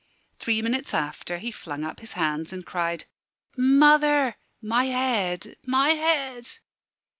Three minutes after, he flung up his hands and cried, "Mother my head, my head!"